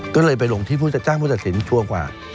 ก็เลยไปลงที่ผู้จัดจ้างผู้ตัดสินชัวร์กว่า